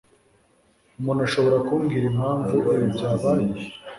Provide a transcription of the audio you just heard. Umuntu ashobora kumbwira impamvu ibi byabaye?